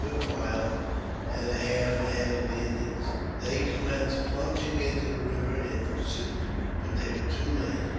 good mile and a half ahead of the Indians. They commenced plunging into the river in pursuit, but they were too late.